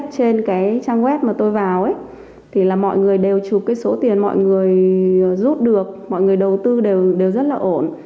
trên cái trang web mà tôi vào ấy thì là mọi người đều chụp cái số tiền mọi người rút được mọi người đầu tư đều rất là ổn